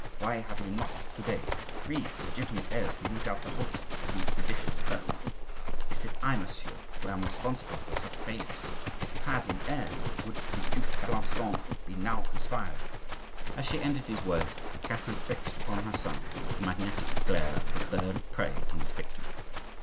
Why have you not to day three legitimate heirs to root out the hopes of these seditious persons? Is it I, monsieur, who am responsible for such failures? If you had an heir, would the Duc d'Alencon be now conspiring?" As she ended these words, Catherine fixed upon her son the magnetic glance of a bird of prey upon its victim.